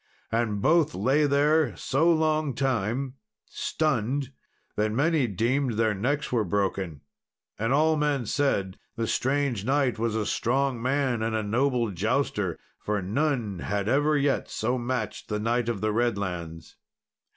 And both lay there so long time, stunned, that many deemed their necks were broken. And all men said the strange knight was a strong man, and a noble jouster, for none had ever yet so matched the Knight of the Redlands.